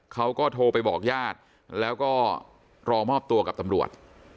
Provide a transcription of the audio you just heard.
เขาก็โทรไปบอกญาติแล้วก็รอมอบตัวกับตำรวจ